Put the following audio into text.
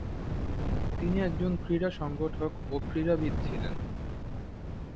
তিনি একজন ক্রীড়া সংগঠক ও ক্রীড়াবিদ ছিলেন।